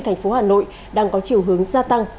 thành phố hà nội đang có chiều hướng gia tăng